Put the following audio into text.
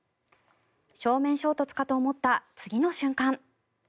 正面衝突かと思った次の瞬間。